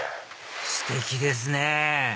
ステキですね！